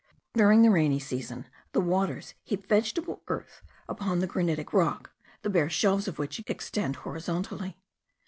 During the rainy season, the waters heap vegetable earth upon the granitic rock, the bare shelves of which extend horizontally.